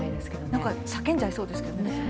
なんか叫んじゃいそうですけどね。